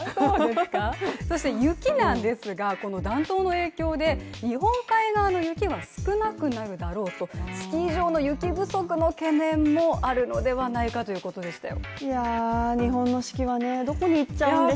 そして雪なんですが暖冬の影響で日本海側の雪は少なくなるだろうと、スキー場の雪不足の懸念もあるのではということでしたよ